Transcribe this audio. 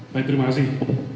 baik terima kasih